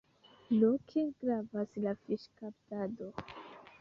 Loke gravas la fiŝkaptado.